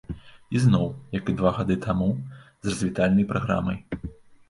І зноў, як і два гады таму, з развітальнай праграмай.